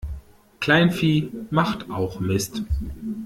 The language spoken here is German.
Kleinvieh macht auch Mist.